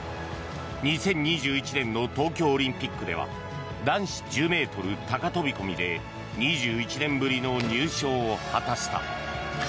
２０２１年の東京オリンピックでは男子１０ｍ高飛込で２１年ぶりの入賞を果たした。